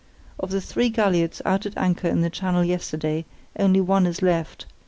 Of the three galliots out at anchor in the channel yesterday, only one is left....